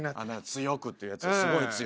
「強く」というやつ「すごい強く」。